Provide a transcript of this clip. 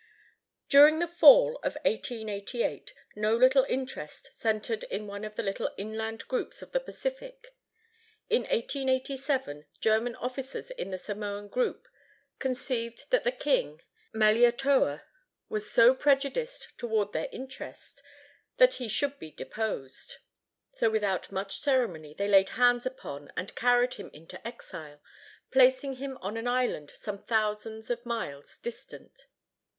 During the fall of 1888, no little interest centered in one of the little inland groups of the Pacific. In 1887, German officers in the Samoan group conceived that the king, Malietoa, was so prejudiced toward their interests that he should be deposed. So without much ceremony they laid hands upon and carried him into exile, placing him on an island some thousands of miles distant.